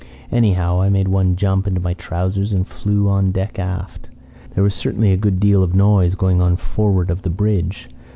Anyhow, I made one jump into my trousers and flew on deck aft. There was certainly a good deal of noise going on forward of the bridge.